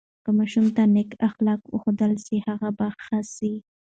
که ماشوم ته نیک اخلاق وښودل سي، هغه به ښه سي.